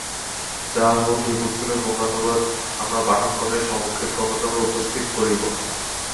যাহা হউক, এই পুস্তকের বঙ্গানুবাদ আমরা পাঠকগণের সমক্ষে ক্রমে ক্রমে উপস্থিত করিব।